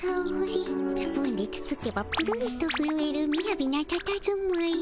スプーンでつつけばプルンとふるえるみやびなたたずまい。